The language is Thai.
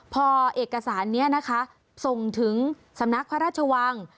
พอเอกสารนี้นะคะส่งถึงสำนักพระราชวัง